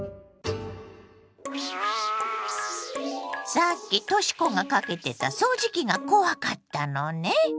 さっきとし子がかけてた掃除機が怖かったのね。